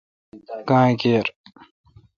گاں کیر۔